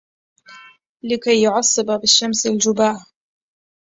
لكي يعصب بالشمس الجباهْ